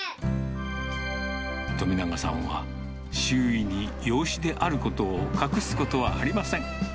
富永さんは、周囲に養子であることを隠すことはありません。